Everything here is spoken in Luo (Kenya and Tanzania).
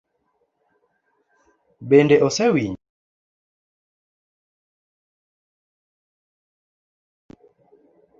Bende osewinjo?